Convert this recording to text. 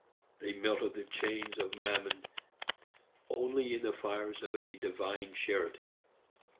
They melted the chains of Mammon only in the fires of a divine charity.